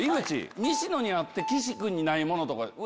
西野にあって岸君にないもの。